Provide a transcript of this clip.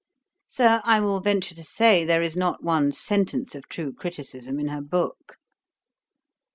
Sir, I will venture to say, there is not one sentence of true criticism in her book.'